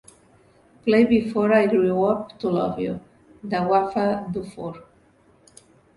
"Play Before I Grew Up To Love You" de Wafah Dufour